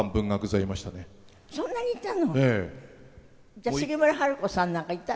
じゃあ杉村春子さんなんかいた？